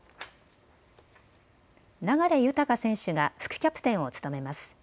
流大選手が副キャプテンを務めます。